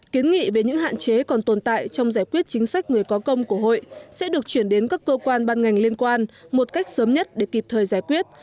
kiến nghị về những hạn chế còn tồn tại trong giải quyết chính sách người có công của hội sẽ được chuyển đến các cơ quan ban ngành liên quan một cách sớm nhất để kịp thời giải quyết